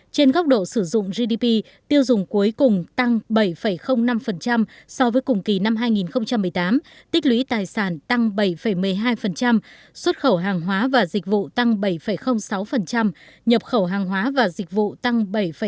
trên góc độ sử dụng gdp tiêu dùng cuối cùng tăng bảy năm so với cùng kỳ năm hai nghìn một mươi tám tích lũy tài sản tăng bảy một mươi hai xuất khẩu hàng hóa và dịch vụ tăng bảy sáu nhập khẩu hàng hóa và dịch vụ tăng bảy tám